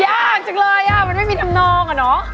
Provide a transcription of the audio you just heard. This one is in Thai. ยากจังเลยอ่ะมันไม่มีทำนองอ่ะเนอะ